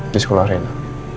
di sekolah arena